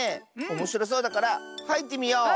おもしろそうだからはいってみよう。